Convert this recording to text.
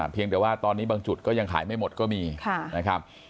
เพียงแต่ว่าตอนนี้บางจุดก็ยังขายไม่หมดก็มีนะครับ